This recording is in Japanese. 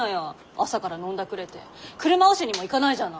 朝から飲んだくれて車押しにも行かないじゃない！